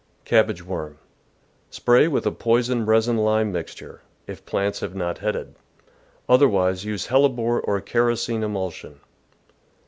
Cabbage Worm. — Spray with a poisoned resin lime mixture, if plants have not headed; otherwise use hellebore or kerosene emulsion.